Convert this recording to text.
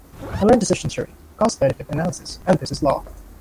He learnt decision theory, cost-benefit analysis and business law.